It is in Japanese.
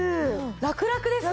ラクラクですね。